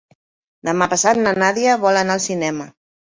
Demà passat na Nàdia vol anar al cinema.